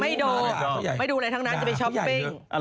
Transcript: ไม่ดูไม่ดูอะไรทั้งนั้นจะไปช้อปปิ้ง